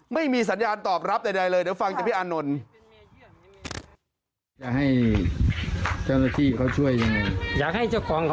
ไม่มีสัญญาณตอบรับใดเลยเดี๋ยวฟังจากพี่อานนท์